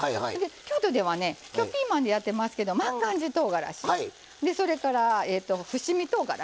京都ではね今日ピーマンでやってますけど万願寺とうがらしでそれから伏見とうがらし